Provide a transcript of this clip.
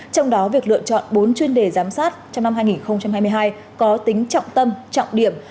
trong đó việc lựa chọn bốn chuyên đề giám sát trong năm hai nghìn hai mươi hai có tính trọng tâm trọng điểm